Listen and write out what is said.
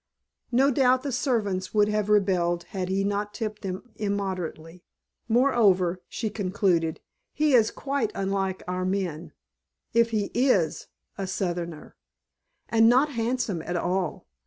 No doubt the servants would have rebelled had he not tipped them immoderately. "Moreover," she concluded, "he is quite unlike our men, if he is a Southerner. And not handsome at all.